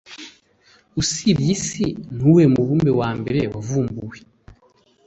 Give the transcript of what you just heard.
Usibye Isi Nuwuhe mubumbe wa mbere wavumbuwe